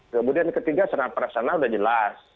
kemudian ketiga sana perasana udah jelas